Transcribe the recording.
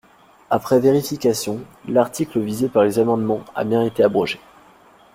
Après vérification, l’article visé par les amendements a bien été abrogé.